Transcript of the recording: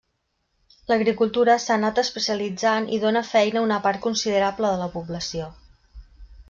L'agricultura s'ha anat especialitzant i dóna feina a una part considerable de la població.